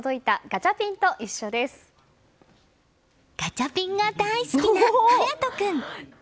ガチャピンが大好きな勇人君。